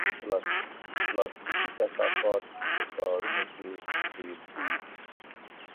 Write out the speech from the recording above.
پلاستيکي کثافات په ښارونو کې ډېر شوي دي.